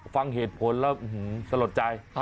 ฟังเหตุผลแล้วสะหรับใจ